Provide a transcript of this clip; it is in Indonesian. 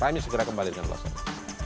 pak emis segera kembali dengan ulasannya